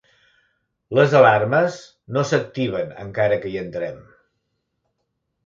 Les alarmes no s'activen encara que hi entrem.